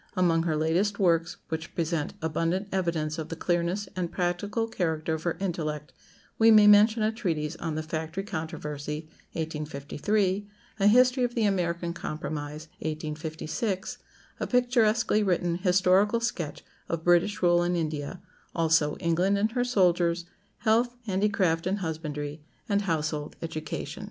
Among her latest works, which present abundant evidence of the clearness and practical character of her intellect, we may mention a treatise on "The Factory Controversy," 1853; a "History of the American Compromise," 1856; a picturesquely written historical sketch of "British Rule in India;" also, "England and her Soldiers;" "Health, Handicraft, and Husbandry;" and "Household Education."